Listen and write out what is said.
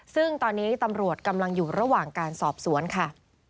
ซึ่งตอนนี้ตำรวจกำลังอยู่ระหว่างการสอบสวนค่ะ